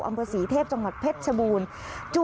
อำเภอศรีเทพจังหวัดเพชรชบูรณ์